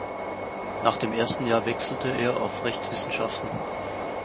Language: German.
Nach dem ersten Jahr wechselte er auf Rechtswissenschaften.